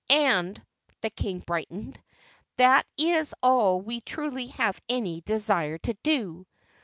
And," the King brightened, "that is all we truly have any desire to do.